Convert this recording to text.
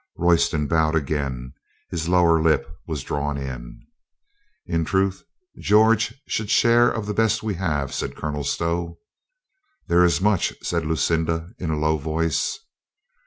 Royston bowed again. His lower lip was drawn in. "In truth, George should share of the best we have," said Colonel Stow. "There is much," said Lucinda in a low voice.